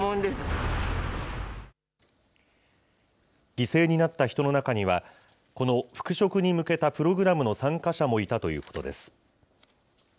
犠牲になった人の中には、この復職に向けたプログラムの参加者もいたということです。